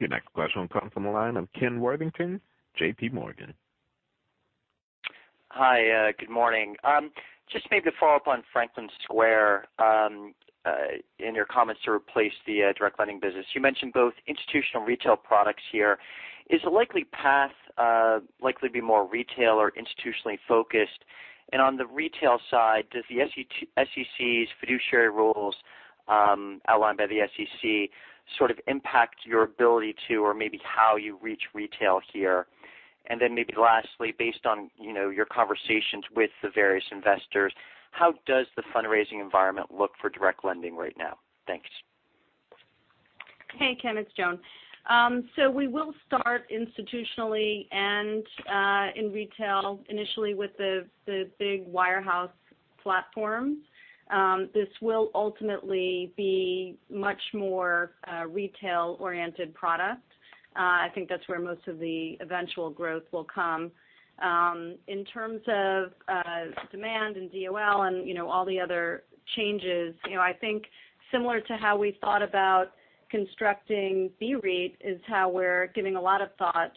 Your next question comes from the line of Ken Worthington, JPMorgan.
Hi. Good morning. Just maybe to follow up on Franklin Square, in your comments to replace the direct lending business. You mentioned both institutional retail products here. Is the likely path likely to be more retail or institutionally focused? On the retail side, does the SEC's fiduciary rules outlined by the SEC sort of impact your ability to or maybe how you reach retail here? Then maybe lastly, based on your conversations with the various investors, how does the fundraising environment look for direct lending right now? Thanks.
Hey, Ken, it's Joan. We will start institutionally and in retail initially with the big wirehouse platforms. This will ultimately be much more retail-oriented product. I think that's where most of the eventual growth will come. In terms of demand and DOL and all the other changes, I think similar to how we thought about constructing BREIT is how we're giving a lot of thought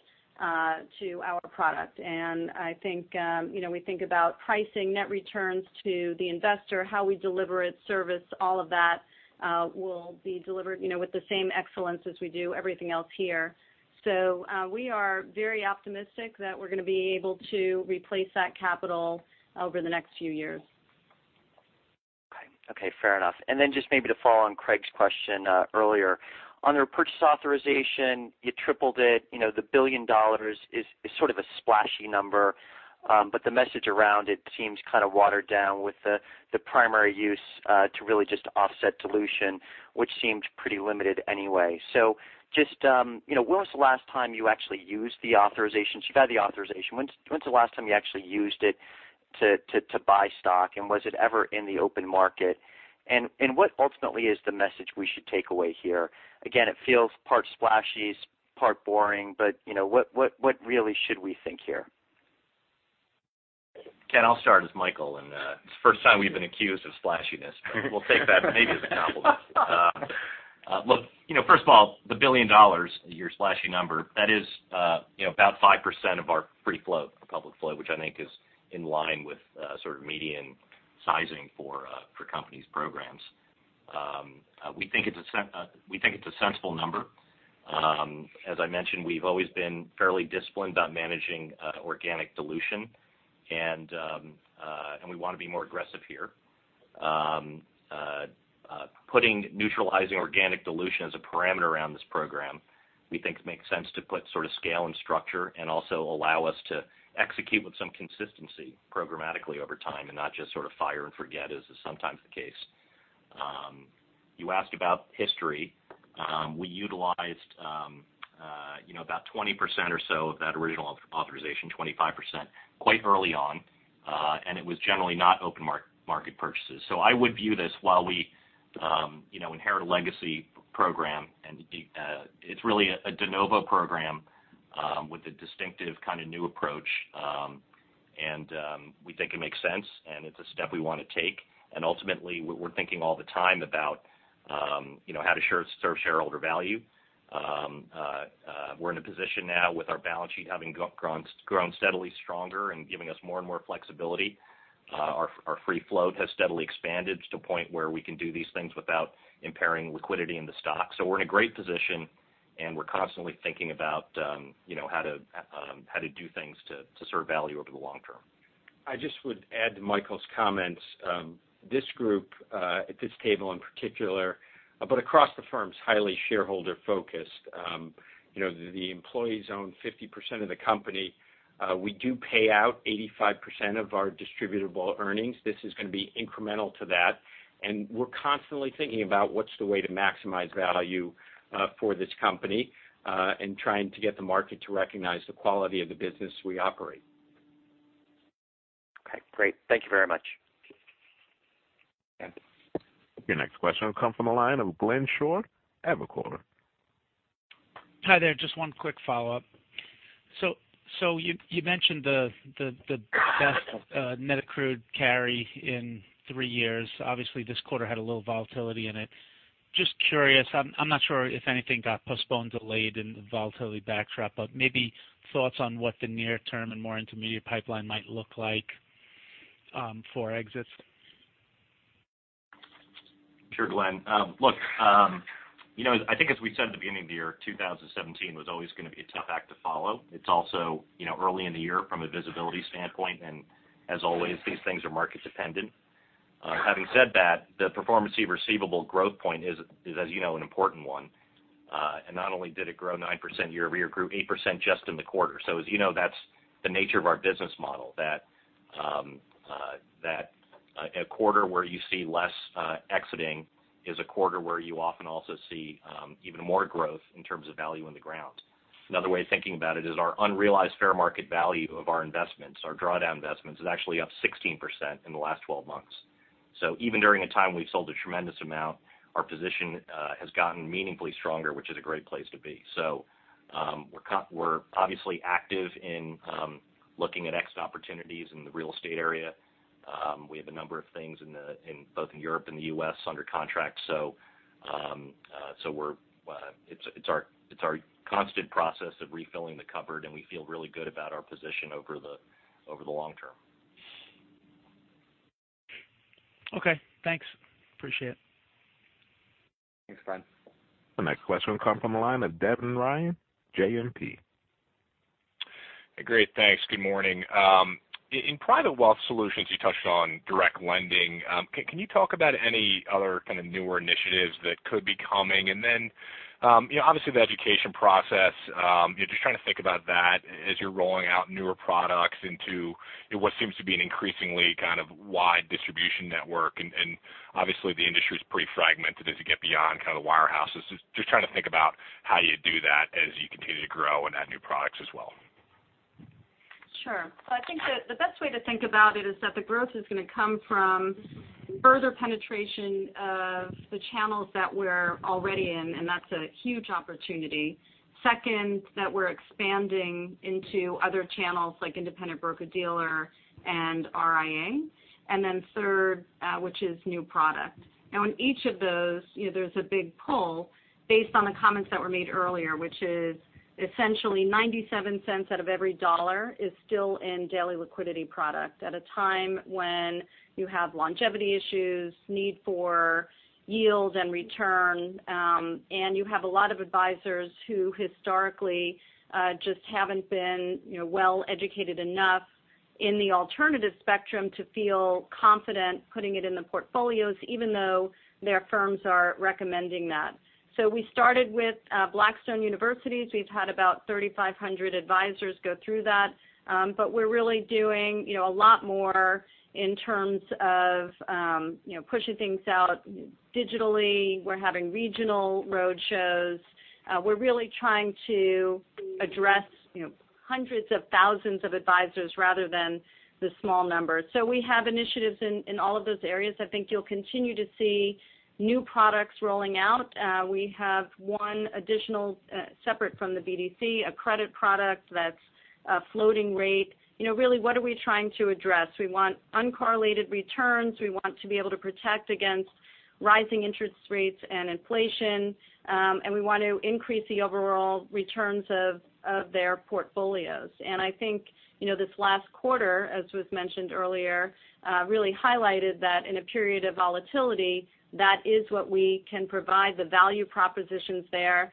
to our product. I think we think about pricing, net returns to the investor, how we deliver it, service, all of that will be delivered with the same excellence as we do everything else here. We are very optimistic that we're going to be able to replace that capital over the next few years.
Okay. Fair enough. Then just maybe to follow on Craig's question earlier, on your purchase authorization, you tripled it. The $1 billion is sort of a splashy number. The message around it seems kind of watered down with the primary use to really just offset dilution, which seemed pretty limited anyway. When was the last time you actually used the authorization? You've had the authorization. When's the last time you actually used it to buy stock, and was it ever in the open market? What ultimately is the message we should take away here? Again, it feels part splashy, part boring, what really should we think here?
Ken, I'll start. It's Michael, and it's the first time we've been accused of splashiness. We'll take that maybe as a compliment. Look, first of all, the $1 billion, your splashy number, that is about 5% of our free float, our public float, which I think is in line with sort of median sizing for companies' programs. We think it's a sensible number. As I mentioned, we've always been fairly disciplined about managing organic dilution, and we want to be more aggressive here. Putting neutralizing organic dilution as a parameter around this program, we think it makes sense to put sort of scale and structure and also allow us to execute with some consistency programmatically over time and not just sort of fire and forget as is sometimes the case. You asked about history. We utilized about 20% or so of that original authorization, 25%, quite early on. It was generally not open market purchases. I would view this while we inherit a legacy program, and it's really a de novo program with a distinctive kind of new approach. We think it makes sense, and it's a step we want to take. Ultimately, we're thinking all the time about how to serve shareholder value. We're in a position now with our balance sheet having grown steadily stronger and giving us more and more flexibility. Our free float has steadily expanded to a point where we can do these things without impairing liquidity in the stock. We're in a great position, and we're constantly thinking about how to do things to serve value over the long term.
I just would add to Michael's comments. This group, at this table in particular, but across the firm is highly shareholder-focused. The employees own 50% of the company. We do pay out 85% of our distributable earnings. This is going to be incremental to that, and we're constantly thinking about what's the way to maximize value for this company, and trying to get the market to recognize the quality of the business we operate.
Okay, great. Thank you very much.
Yeah.
Your next question will come from the line of Glenn Schorr, Evercore.
Hi there. Just one quick follow-up. You mentioned the best net accrued carry in three years. Obviously, this quarter had a little volatility in it. Just curious, I'm not sure if anything got postponed, delayed in the volatility backdrop, but maybe thoughts on what the near term and more intermediate pipeline might look like for exits.
Sure, Glenn. Look, I think as we said at the beginning of the year, 2017 was always going to be a tough act to follow. It's also early in the year from a visibility standpoint, and as always, these things are market dependent. Having said that, the performance fee receivable growth point is, as you know, an important one. Not only did it grow 9% year-over-year, it grew 8% just in the quarter. As you know, that's the nature of our business model, that a quarter where you see less exiting is a quarter where you often also see even more growth in terms of value in the ground. Another way of thinking about it is our unrealized fair market value of our investments. Our drawdown investments is actually up 16% in the last 12 months. Even during a time we've sold a tremendous amount, our position has gotten meaningfully stronger, which is a great place to be. We're obviously active in looking at exit opportunities in the real estate area. We have a number of things both in Europe and the U.S. under contract. It's our constant process of refilling the cupboard, and we feel really good about our position over the long term.
Okay, thanks. Appreciate it.
Thanks, Glenn.
The next question comes from the line of Devin Ryan, JMP.
Great. Thanks. Good morning. In private wealth solutions, you touched on direct lending. Can you talk about any other kind of newer initiatives that could be coming? Obviously the education process, just trying to think about that as you're rolling out newer products into what seems to be an increasingly kind of wide distribution network, and obviously the industry is pretty fragmented as you get beyond kind of the wirehouses. Just trying to think about how you do that as you continue to grow and add new products as well?
Sure. I think that the best way to think about it is that the growth is going to come from further penetration of the channels that we're already in, and that's a huge opportunity. Second, that we're expanding into other channels like independent broker-dealer and RIA. Third, which is new product. In each of those, there's a big pull based on the comments that were made earlier, which is essentially $0.97 out of every dollar is still in daily liquidity product at a time when you have longevity issues, need for yield and return, and you have a lot of advisors who historically just haven't been well-educated enough in the alternative spectrum to feel confident putting it in the portfolios, even though their firms are recommending that. We started with Blackstone University. We've had about 3,500 advisors go through that. We're really doing a lot more in terms of pushing things out digitally. We're having regional roadshows. We're really trying to address hundreds of thousands of advisors rather than the small numbers. We have initiatives in all of those areas. I think you'll continue to see new products rolling out. We have one additional, separate from the BDC, a credit product that's a floating rate. Really, what are we trying to address? We want uncorrelated returns. We want to be able to protect against rising interest rates and inflation. We want to increase the overall returns of their portfolios. I think this last quarter, as was mentioned earlier, really highlighted that in a period of volatility, that is what we can provide, the value propositions there.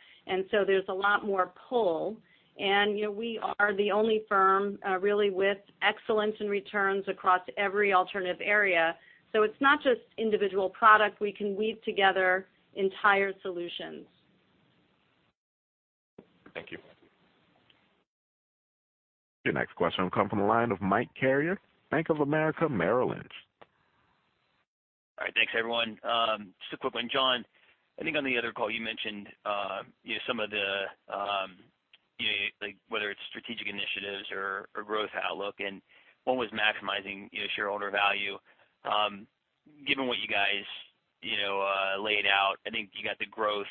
There's a lot more pull. We are the only firm really with excellence in returns across every alternative area. It's not just individual product. We can weave together entire solutions.
Thank you.
Your next question will come from the line of Michael Carrier, Bank of America Merrill Lynch.
Thanks, everyone. Just a quick one, Jon. I think on the other call you mentioned some of the, whether it's strategic initiatives or growth outlook, and one was maximizing shareholder value. Given what you guys laid out, I think you got the growth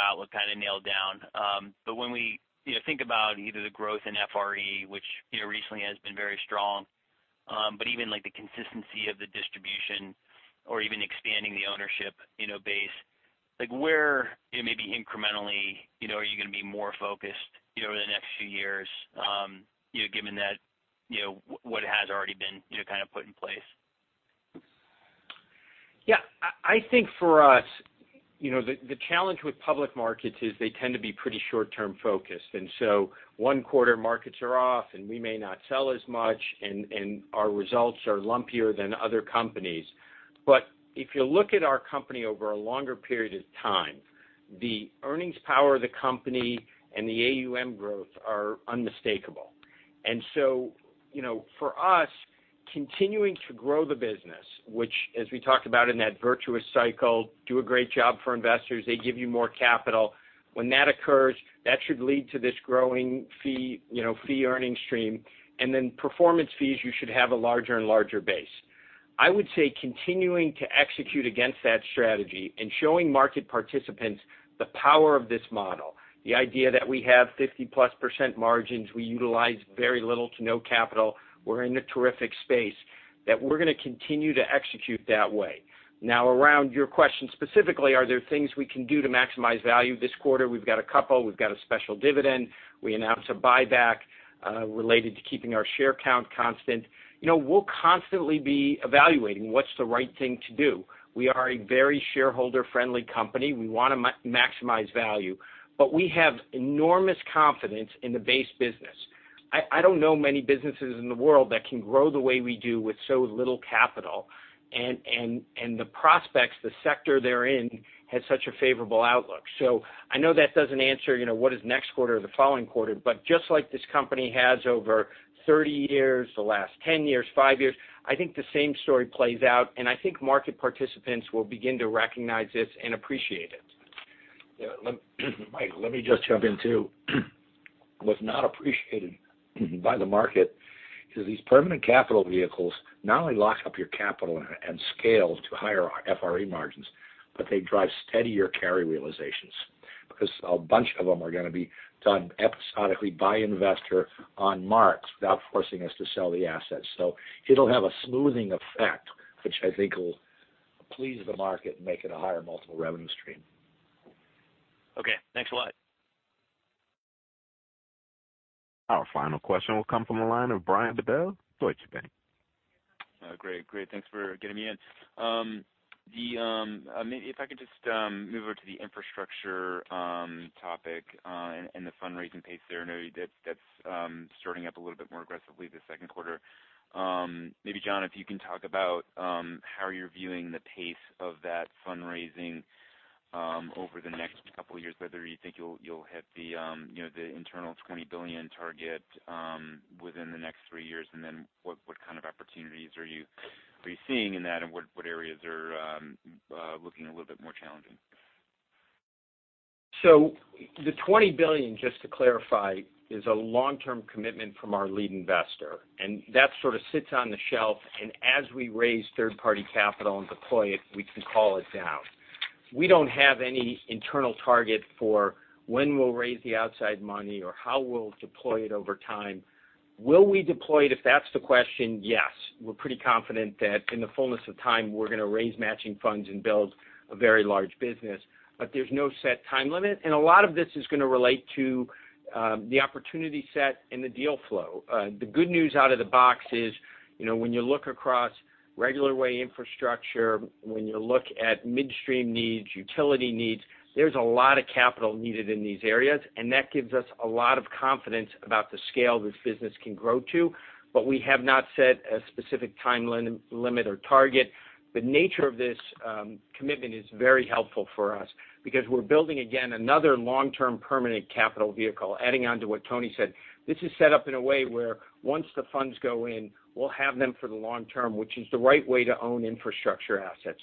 outlook kind of nailed down. When we think about either the growth in FRE, which recently has been very strong, even the consistency of the distribution or even expanding the ownership base, where, maybe incrementally are you going to be more focused over the next few years given what has already been kind of put in place?
Yeah. I think for us, the challenge with public markets is they tend to be pretty short-term focused. One quarter markets are off, and we may not sell as much, and our results are lumpier than other companies. If you look at our company over a longer period of time, the earnings power of the company and the AUM growth are unmistakable. For us, continuing to grow the business, which as we talked about in that virtuous cycle, do a great job for investors, they give you more capital. When that occurs, that should lead to this growing fee earning stream, and then performance fees, you should have a larger and larger base. I would say continuing to execute against that strategy and showing market participants the power of this model, the idea that we have 50-plus % margins, we utilize very little to no capital, we're in a terrific space, that we're going to continue to execute that way. Now around your question specifically, are there things we can do to maximize value this quarter? We've got a couple. We've got a special dividend. We announced a buyback related to keeping our share count constant. We'll constantly be evaluating what's the right thing to do. We are a very shareholder-friendly company. We want to maximize value. We have enormous confidence in the base business. I don't know many businesses in the world that can grow the way we do with so little capital. The prospects, the sector they're in, has such a favorable outlook. I know that doesn't answer what is next quarter or the following quarter, but just like this company has over 30 years, the last 10 years, five years, I think the same story plays out, and I think market participants will begin to recognize this and appreciate it.
Mike, let me just jump in, too. What's not appreciated by the market is these permanent capital vehicles not only lock up your capital and scale to higher FRE margins, but they drive steadier carry realizations because a bunch of them are going to be done episodically by investor on marks without forcing us to sell the assets. It'll have a smoothing effect, which I think will please the market and make it a higher multiple revenue stream.
Okay, thanks a lot.
Our final question will come from the line of Brian Bedell, Deutsche Bank.
Great. Thanks for getting me in. Maybe if I could just move over to the infrastructure topic and the fundraising pace there. I know that's starting up a little bit more aggressively this second quarter. Maybe Jon, if you can talk about how you're viewing the pace of that fundraising over the next couple of years, whether you think you'll hit the internal $20 billion target within the next three years, and then what kind of opportunities are you seeing in that, and what areas are looking a little bit more challenging?
The $20 billion, just to clarify, is a long-term commitment from our lead investor, and that sort of sits on the shelf, and as we raise third-party capital and deploy it, we can call it down. We don't have any internal target for when we'll raise the outside money or how we'll deploy it over time. Will we deploy it, if that's the question, yes. We're pretty confident that in the fullness of time, we're going to raise matching funds and build a very large business. There's no set time limit. A lot of this is going to relate to the opportunity set and the deal flow. The good news out of the box is when you look across regular way infrastructure, when you look at midstream needs, utility needs, there's a lot of capital needed in these areas, and that gives us a lot of confidence about the scale this business can grow to. We have not set a specific time limit or target. The nature of this commitment is very helpful for us because we're building, again, another long-term permanent capital vehicle. Adding on to what Tony said, this is set up in a way where once the funds go in, we'll have them for the long term, which is the right way to own infrastructure assets.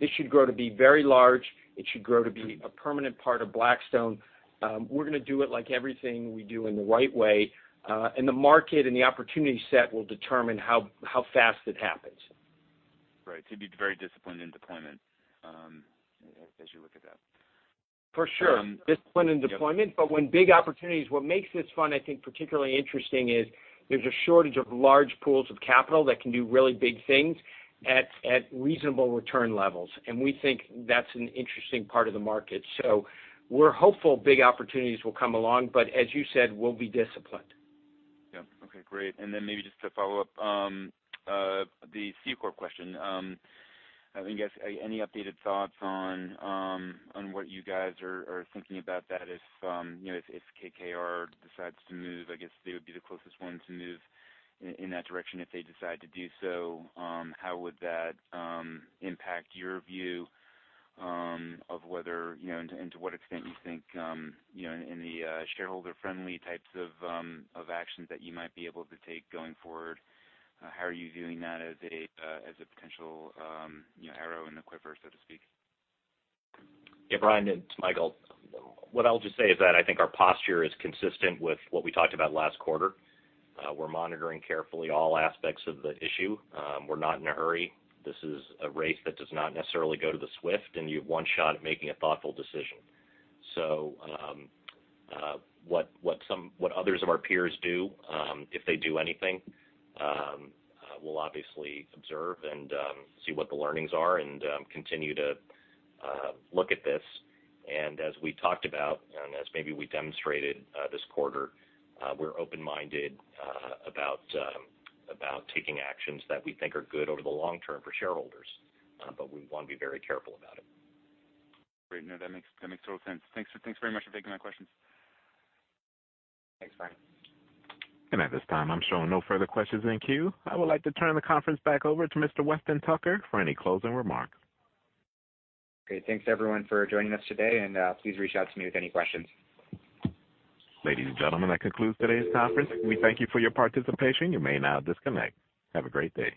This should grow to be very large. It should grow to be a permanent part of Blackstone. We're going to do it like everything we do in the right way. The market and the opportunity set will determine how fast it happens.
Right. You'd be very disciplined in deployment as you look at that.
For sure. Disciplined in deployment. What makes this fund, I think, particularly interesting is there's a shortage of large pools of capital that can do really big things at reasonable return levels. We think that's an interesting part of the market. We're hopeful big opportunities will come along, but as you said, we'll be disciplined.
Yeah. Okay, great. Then maybe just to follow up the C Corporation question. I guess any updated thoughts on what you guys are thinking about that if KKR decides to move, I guess they would be the closest one to move in that direction if they decide to do so. How would that impact your view of whether, and to what extent you think, any shareholder friendly types of actions that you might be able to take going forward, how are you viewing that as a potential arrow in the quiver, so to speak?
Yeah, Brian, it's Michael. What I'll just say is that I think our posture is consistent with what we talked about last quarter. We're monitoring carefully all aspects of the issue. We're not in a hurry. This is a race that does not necessarily go to the swift, and you have one shot at making a thoughtful decision. What others of our peers do, if they do anything, we'll obviously observe and see what the learnings are and continue to look at this. As we talked about, and as maybe we demonstrated this quarter, we're open-minded about taking actions that we think are good over the long term for shareholders. We want to be very careful about it.
Great. No, that makes total sense. Thanks very much for taking my questions.
Thanks, Brian.
At this time, I'm showing no further questions in queue. I would like to turn the conference back over to Mr. Weston Tucker for any closing remarks.
Great. Thanks everyone for joining us today, and please reach out to me with any questions.
Ladies and gentlemen, that concludes today's conference. We thank you for your participation. You may now disconnect. Have a great day.